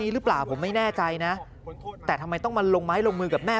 หรือเปล่าผมไม่แน่ใจนะแต่ทำไมต้องมาลงไม้ลงมือกับแม่